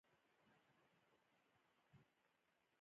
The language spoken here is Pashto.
زه د سایبر امنیت اصول لولم.